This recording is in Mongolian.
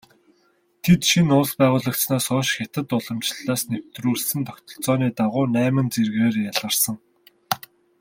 Тэд шинэ улс байгуулагдсанаас хойш хятад уламжлалаас нэвтрүүлсэн тогтолцооны дагуу найман зэргээр ялгарсан.